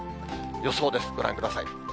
予想です、ご覧ください。